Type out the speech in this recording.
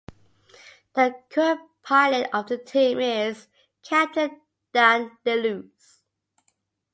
The current pilot of the team is Captain Dan Deluce.